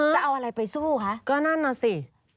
จะเอาอะไรไปสู้คะก็นั่นน่ะสิ